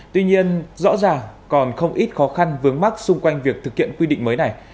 tuy nhiên rõ ràng còn không ít khó khăn vướng mắt xung quanh việc thực hiện quy định mới này